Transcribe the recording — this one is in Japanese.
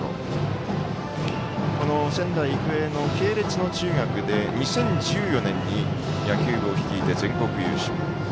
仙台育英の系列の中学で２０１４年に野球部を率いて全国優勝。